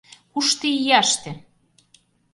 Кушто-ияште?..